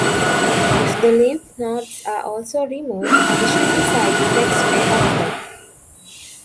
If the lymph nodes are also removed, additional side effects may occur.